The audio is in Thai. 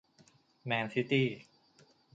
แมนซิตี้